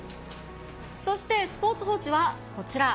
そして、スポーツ報知はこちら。